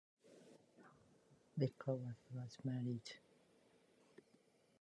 Becker was twice married.